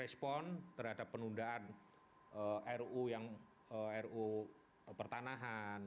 respon terhadap penundaan ruu yang ruu pertanahan